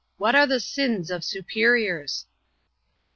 What are the sins of superiors?